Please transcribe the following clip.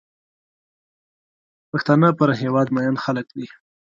پښتانه پر هېواد مین خلک دي.